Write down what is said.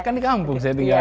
kan di kampung saya tinggal